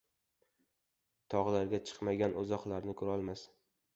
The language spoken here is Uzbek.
• Tog‘larga chiqmagan uzoqlarni ko‘rolmas.